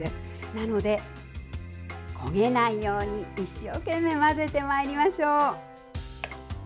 なので、焦げないように一生懸命混ぜてまいりましょう。